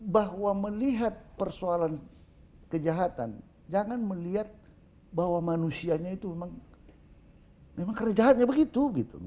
bahwa melihat persoalan kejahatan jangan melihat bahwa manusianya itu memang kerjaannya begitu